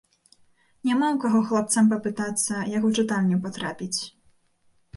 Няма ў каго хлапцам папытацца, як у чытальню патрапіць.